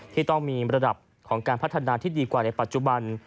ที่ต้องมีระดับของการพัฒนาที่ดีกว่าในปัจจุบัน